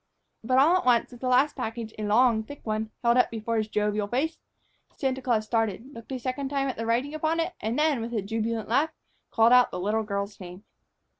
But all at once, with the last package, a long, thick one, held up before his jovial face, Santa Claus started, looked a second time at the writing upon it, and then, with a jubilant laugh, called out the little girl's name!